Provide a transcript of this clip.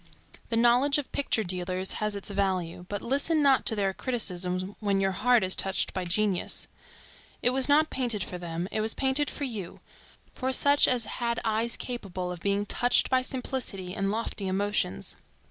The knowledge of picture dealers has its value, but listen not to their criticism when your heart is touched by genius. It was not painted for them, it was painted for you; for such as had eyes capable of being touched by simplicity and lofty emotions.